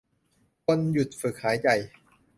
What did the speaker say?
ควรหยุดฝึกหายใจ